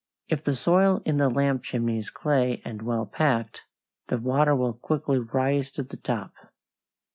If the soil in the lamp chimney is clay and well packed, the water will quickly rise to the top.